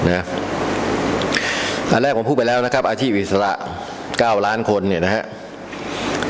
อันแรกผมพูดไปแล้วนะครับอาชีพอิสระ๙ล้านคนเนี่ยนะครับ